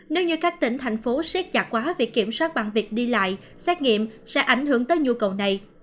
nếu như các tỉnh thành phố siết chặt quá việc kiểm soát bằng việc đi lại xét nghiệm sẽ ảnh hưởng tới nhu cầu này